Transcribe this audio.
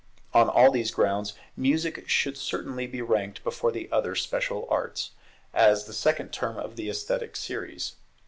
On all these grounds music should certainly be ranked before the other special arts, as the second term of the esthetic series.